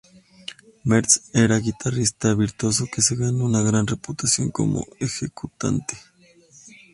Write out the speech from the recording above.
Mertz era un guitarrista virtuoso que se ganó una gran reputación como ejecutante.